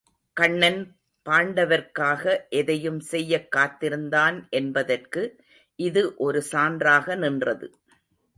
கண்ணன் பாண்டவர்க்காக எதையும் செய்யக் காத்திருந்தான் என்பதற்கு இது ஒரு சான்றாக நின்றது.